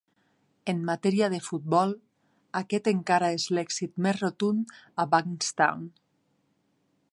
En matèria de futbol, aquest encara és l'èxit més rotund a Bankstown.